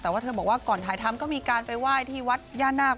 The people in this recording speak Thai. แต่ว่าเธอบอกว่าก่อนถ่ายทำก็มีการไปไหว้ที่วัดย่านาค